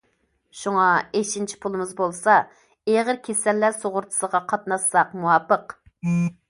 شۇڭا ئېشىنچا پۇلىمىز بولسا ئېغىر كېسەللەر سۇغۇرتىسىغا قاتناشساق مۇۋاپىق.